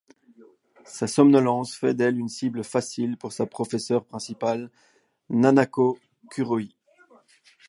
Sa somnolence fait d'elle une cible facile pour sa professeure principale, Nanako Kuroi.